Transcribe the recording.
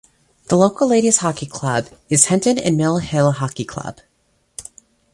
The local ladies hockey club is Hendon and Mill Hill Hockey Club.